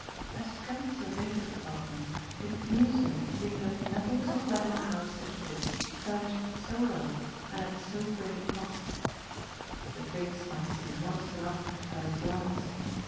As Trent surveyed his apartment it amused him to think that never was a flat in a house such as this furnished so well and at so great a cost. The things might seem modest enough at first glance.